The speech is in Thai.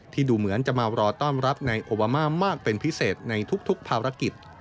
ดูเหมือนจะมารอต้อนรับนายโอบามามากเป็นพิเศษในทุกภารกิจ